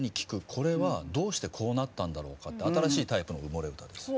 「これはどうしてこうなったんだろうか？」って新しいタイプの「うもれうた」です。